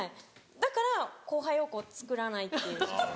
だから後輩をつくらないっていう。